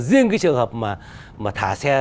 riêng cái trường hợp mà thả xe